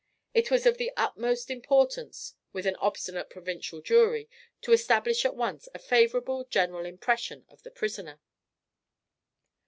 It was of the utmost importance with an obstinate provincial jury to establish at once a favourable general impression of the prisoner.